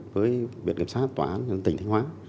với biện kiểm soát tòa án tỉnh thanh hóa